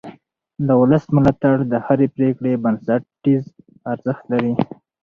د ولس ملاتړ د هرې پرېکړې بنسټیز ارزښت لري